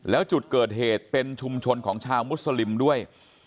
แล้วจุดเกิดเหตุเป็นชุมชนของชาวมุสลิมด้วย